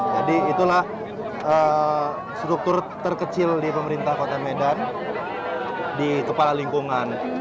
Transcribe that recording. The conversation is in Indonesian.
jadi itulah struktur terkecil di pemerintah kota medan di kepala lingkungan